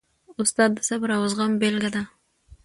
استاد د صبر او زغم بېلګه ده.